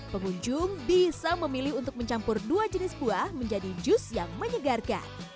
pengunjung bisa memilih untuk mencampur dua jenis buah menjadi jus yang menyegarkan